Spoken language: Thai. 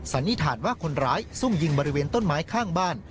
สันนิษฐานว่าคนร้ายซุ่มยิงบริเวณต้นไม้ข้างบ้าน